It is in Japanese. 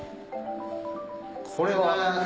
これは。